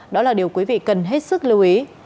đó là điều quý vị cần hết sức lưu ý